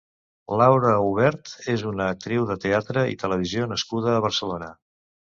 Laura Aubert és una actriu de teatre i televisió nascuda a Barcelona.